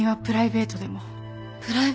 プライベートでも？